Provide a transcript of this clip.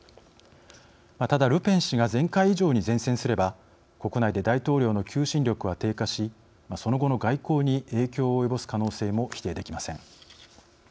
ただ、ルペン氏が前回以上に善戦すれば国内で大統領の求心力は低下しその後の外交に影響を及ぼす可能性も否定できません。